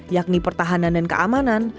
yakni pertahanan dan keamanan